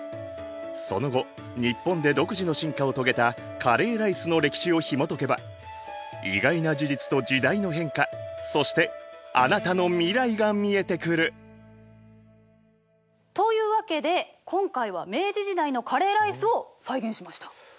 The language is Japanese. その後日本で独自の進化を遂げたカレーライスの歴史をひもとけば意外な事実と時代の変化そしてあなたの未来が見えてくる！というわけで今回は明治時代のカレーライスを再現しました！